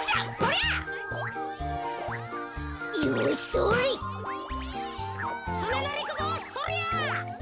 そりゃ！